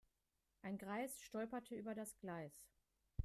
Ein Greis stolperte über das Gleis.